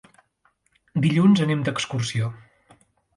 Dilluns anam d'excursió.